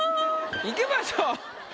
いきましょう。